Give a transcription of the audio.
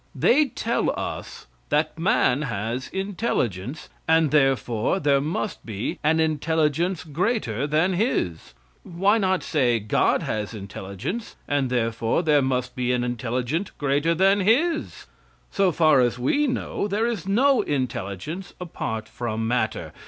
They tell us that man has intelligence, and therefore there must be an intelligence greater than his. Why not say, God has intelligence, therefore there must be an intelligence greater than his? So far as we know, there is no intelligence apart from matter.